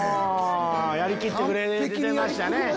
やりきってくれましたね。